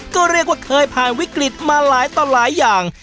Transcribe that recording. ก็เรียกว่าเคยผ่านวิกฤตมาหลายต่อหลายอย่าง